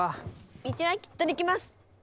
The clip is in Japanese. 道はきっとできます！